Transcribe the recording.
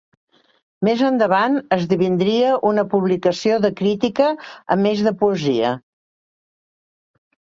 Més endavant esdevindria una publicació de crítica a més de poesia.